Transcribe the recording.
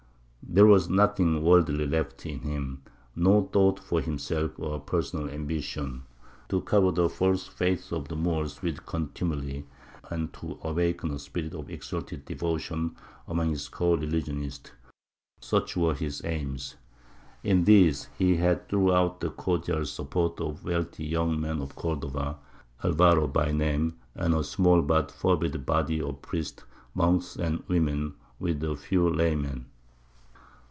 There was nothing worldly left in him, no thought for himself or personal ambition; to cover the false faith of the Moors with contumely, and to awaken a spirit of exalted devotion among his co religionists, such were his aims. In these he had throughout the cordial support of a wealthy young man of Cordova, Alvaro by name, and of a small but fervid body of priests, monks, and women, with a few laymen.